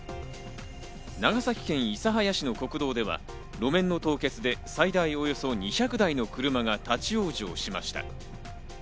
長崎県諫早市の国道では路面の凍結で最大およそ２００台の車が立ち往生しました。